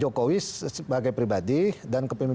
yang terjadi di